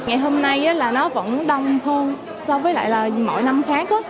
ngày hôm nay là nó vẫn đông hơn so với lại là mỗi năm khác